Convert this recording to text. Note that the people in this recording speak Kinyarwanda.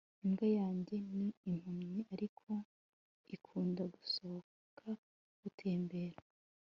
Imbwa yanjye ni impumyi ariko ikunda gusohoka gutembera